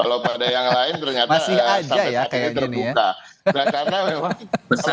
kalau pada yang lain ternyata sampai saat ini terbuka